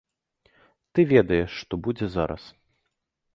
Ты ведаеш, што будзе зараз.